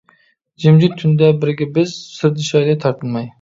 جىمجىت تۈندە بىرگە بىز، سىردىشايلى تارتىنماي.